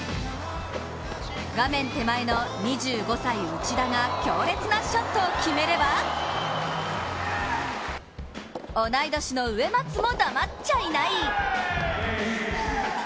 画面手前の２５歳、内田が強烈なショットを決めれば同い年の上松も黙っちゃいない！